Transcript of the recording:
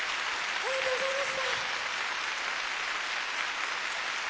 ありがとうございます。